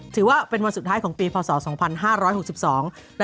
ถือว่าเป็นวันสุดท้ายของปีภาษาศาสตร์๒๕๖๒